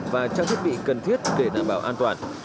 và trang thiết bị cần thiết để đảm bảo an toàn